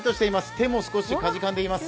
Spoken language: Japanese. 手も少しかじかんでいます。